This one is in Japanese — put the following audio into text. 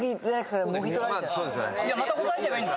また答えちゃえばいいんだ。